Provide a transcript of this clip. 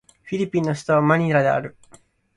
フィリピンの首都はマニラである